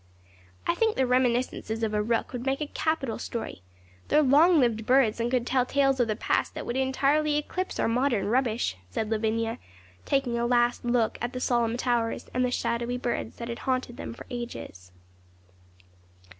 'I think the "Reminiscences of a Rook" would make a capital story. They are long lived birds, and could tell tales of the past that would entirely eclipse our modern rubbish,' said Lavinia, taking a last look at the solemn towers, and the shadowy birds that had haunted them for ages.